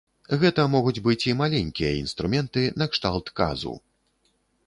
Гэта могуць быць і маленькія інструменты накшталт казу.